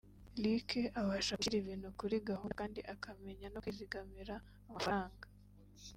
Luc abasha gushyira ibintu kuri gahunda kandi akamenya no kwizigamira amafaranga